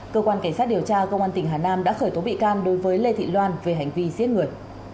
cơ quan cảnh sát điều tra công an tỉnh hà nam đã khởi tố bị can đối với lê thị loan về hành vi giết người